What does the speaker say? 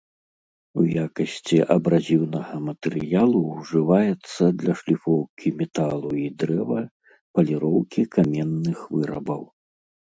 У якасці абразіўнага матэрыялу ўжываецца для шліфоўкі металу і дрэва, паліроўкі каменных вырабаў.